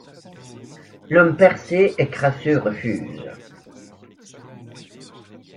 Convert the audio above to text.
L'homme percé et crasseux refuse.